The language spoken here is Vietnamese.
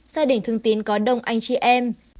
gia đình thương tín có đông anh chị em